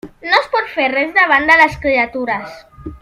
No es pot fer res davant de les criatures.